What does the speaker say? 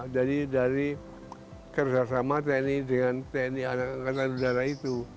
jadi dari kerjasama tni dengan tni alkandang udara itu